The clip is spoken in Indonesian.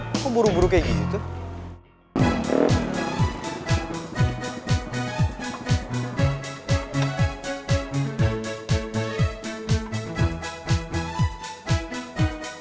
aku buru buru kayak gini tuh